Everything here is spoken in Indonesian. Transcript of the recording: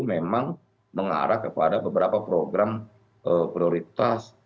memang mengarah kepada beberapa program prioritas